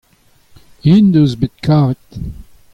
int neus bet karet.